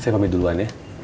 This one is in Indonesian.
saya pamit duluan ya